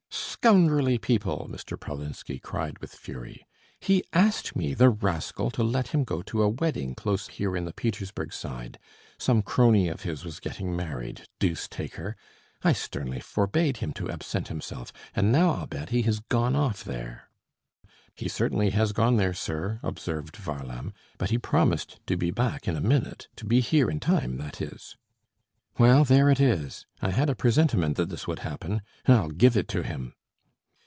"Scoundrelly people!" Mr. Pralinsky cried with fury. "He asked me, the rascal, to let him go to a wedding close here in the Petersburg Side; some crony of his was getting married, deuce take her! I sternly forbade him to absent himself, and now I'll bet he has gone off there." "He certainly has gone there, sir," observed Varlam; "but he promised to be back in a minute, to be here in time, that is." "Well, there it is! I had a presentiment that this would happen! I'll give it to him!"